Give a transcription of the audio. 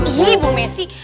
ih ibu messi